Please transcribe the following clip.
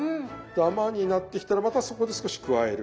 ダマになってきたらまたそこで少し加える。